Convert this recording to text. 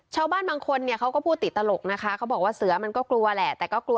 ชาวบ้านบางคนเนี่ยเค้าก็พูดติตลกนะคะเค้าบอกว่าเสือมันก็กลัวแหละ